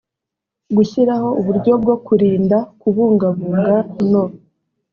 gushyiraho uburyo bwo kurinda kubungabunga no